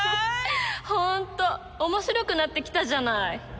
ホント面白くなってきたじゃない。